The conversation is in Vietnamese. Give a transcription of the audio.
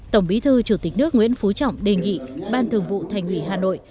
tổng bí thư chủ tịch nước nguyễn phú trọng đề nghị ban thường vụ thành ủy hà nội